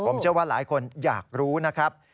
ผมเชื่อว่าหลายคนอยากรู้นะครับ